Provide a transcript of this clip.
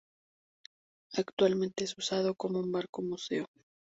Actualmente es usado como un barco museo.